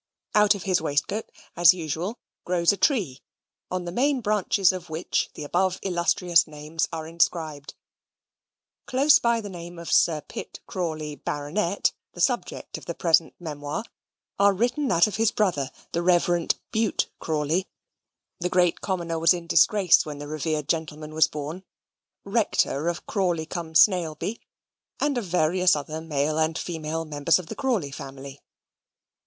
Out of his waistcoat, as usual, grows a tree, on the main branches of which the above illustrious names are inscribed. Close by the name of Sir Pitt Crawley, Baronet (the subject of the present memoir), are written that of his brother, the Reverend Bute Crawley (the great Commoner was in disgrace when the reverend gentleman was born), rector of Crawley cum Snailby, and of various other male and female members of the Crawley family.